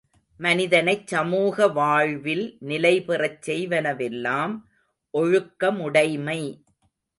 மனிதனைச் சமூக வாழ்வில் நிலைபெறச் செய்வனவெல்லாம் ஒழுக்கமுடைமை.